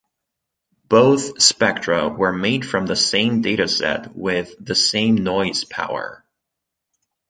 Both spectra were made from the same data set with the same noise power.